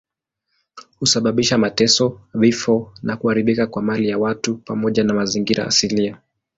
Husababisha mateso, vifo na kuharibika kwa mali ya watu pamoja na mazingira asilia.